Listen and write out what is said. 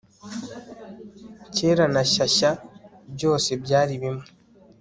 kera na shyashya, byose byari bimwe